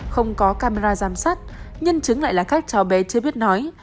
không có camera giám sát nhân chứng lại là các cháu bé chưa biết nói